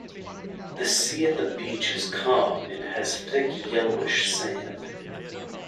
The sea at the beach is calm and has thick, yellowish sand.